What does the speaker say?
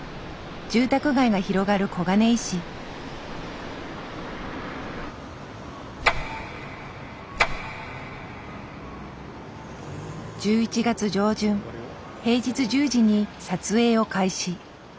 住宅街が広がる１１月上旬平日１０時に撮影を開始。